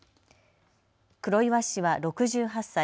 黒岩氏は６８歳。